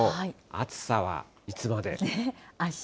暑さはいつまで。